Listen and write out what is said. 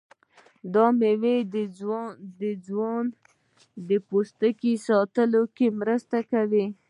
دا میوه د ځوان پوستکي ساتلو کې مرسته کوي.